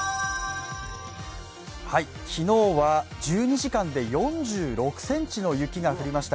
昨日は、１２時間で４６ｃｍの雪が降りました。